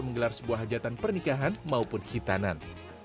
menggelar sebuah hajatan pernikahan maupun hitanan